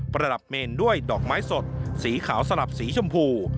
ระดับเมนด้วยดอกไม้สดสีขาวสลับสีชมพู